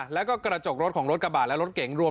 แล้วก็กระจกรถของรถกระบาดและรถเก๋งรวม